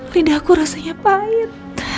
lidahku rasanya pahit